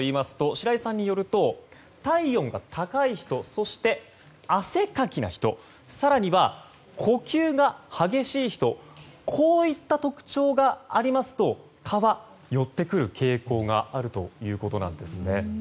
白井さんによると体温が高い人そして汗かきな人更には呼吸が激しい人こういった特徴がありますと蚊は寄ってくる傾向があるということなんですね。